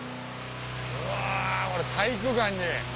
うわ体育館に。